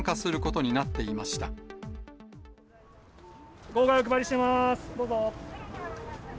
どうぞ。